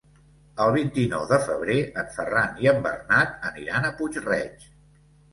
El vint-i-nou de febrer en Ferran i en Bernat aniran a Puig-reig.